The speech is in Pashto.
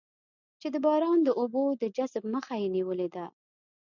چې د باران د اوبو د جذب مخه یې نېولې ده.